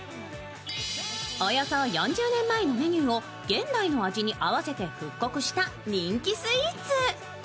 およそ４０年前のメニューを現代の味に合わせて復刻した人気スイーツ。